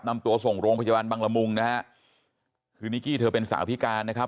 นำตัวส่งโรงพยาบาลบังละมุงนะฮะคือนิกกี้เธอเป็นสาวพิการนะครับ